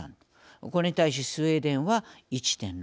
これに対しスウェーデンは１．６６。